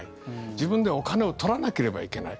自分でお金を取らなければいけない。